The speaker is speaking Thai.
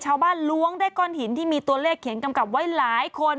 ล้วงด้วยก้อนหินที่มีตัวเลขเขียนกำกับไว้หลายคน